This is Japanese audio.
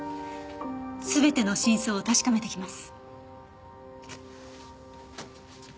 全ての真相を確かめてきます。